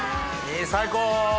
最高！